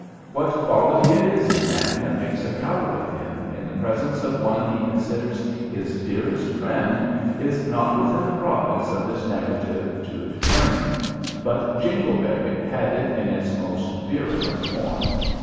What quality it is in man that makes a coward of him in the presence of one he considers his dearest friend is not within the province of this narrative to determine, but Jingleberry had it in its most virulent form.